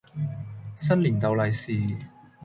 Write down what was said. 新年逗利是